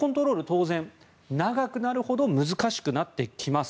当然、長くなるほど難しくなってきます。